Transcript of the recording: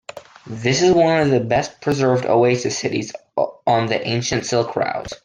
This is one of the best preserved oasis cities on the ancient silk route.